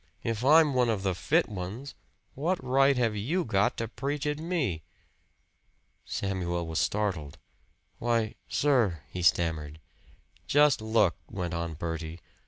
"If I'm one of the fit ones, what right have you got to preach at me?" Samuel was startled. "Why sir " he stammered. "Just look!" went on Bertie.